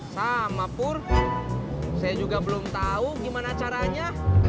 sama pur saya juga belum tahu gimana caranya